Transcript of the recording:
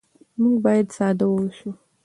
موږ باید ساده واوسو.